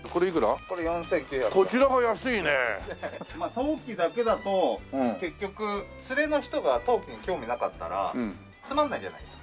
陶器だけだと結局連れの人が陶器に興味なかったらつまんないじゃないですか。